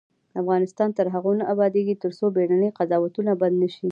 افغانستان تر هغو نه ابادیږي، ترڅو بیړني قضاوتونه بند نشي.